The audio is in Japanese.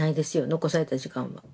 残された時間は。